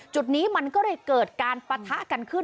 จุดนี้มันก็เลยเกิดการปะทะกันขึ้น